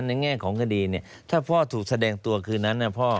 แง่ของคดีเนี่ยถ้าพ่อถูกแสดงตัวคืนนั้นนะพ่อ